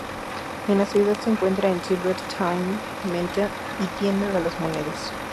En la ciudad se encuentra El Silver Towne Menta y tienda de las monedas.